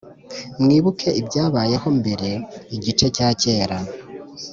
mwibuke ibyababayeho mbere, igihe cya kera :